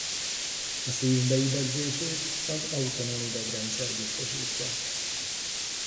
A szív beidegzését az autonóm idegrendszer biztosítja.